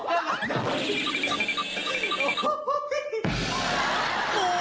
กลับเถิมกันต่อไป